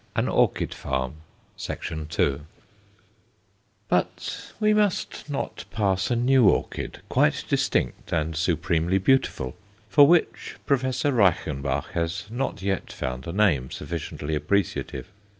Reduced to One Sixth] But we must not pass a new orchid, quite distinct and supremely beautiful, for which Professor Reichenbach has not yet found a name sufficiently appreciative.